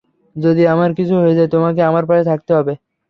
যদি আমার কিছু হয়ে যায়, তোমাকে আমার পাশে থাকতে হবে!